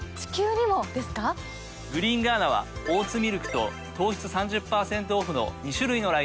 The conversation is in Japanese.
グリーンガーナはオーツミルクと糖質３０％オフの２種類のラインナップ。